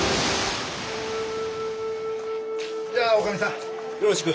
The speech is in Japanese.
じゃあおかみさんよろしく。